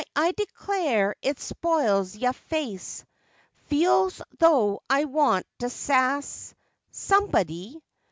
I declar it spoils yo' face, Feel's's though I want t'sass Somebody.